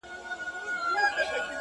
وجود پرېږدمه!! روح و گلنگار ته ور وړم!!